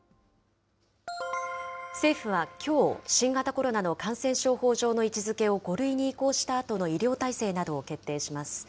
政府はきょう、新型コロナの感染症法上の位置づけを５類に移行したあとの医療体制などを決定します。